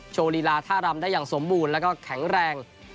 โชว์ลีลาท่ารำได้อย่างสมบูรณ์แล้วก็แข็งแรง